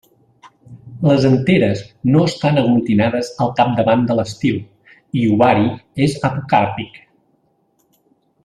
Les anteres no estan aglutinades al capdavant de l'estil i ovari és apocàrpic.